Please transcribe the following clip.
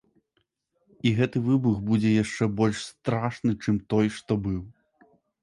І гэты выбух будзе яшчэ больш страшны, чым той, што быў.